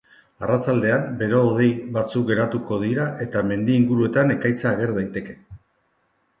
Arratsaldean bero-hodei batzuk garatuko dira eta mendi inguruetan ekaitza ager daiteke.